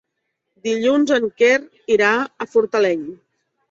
Dilluns en Quer irà a Fortaleny.